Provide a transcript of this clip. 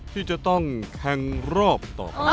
ที่จะต้องแข่งรอบต่อไป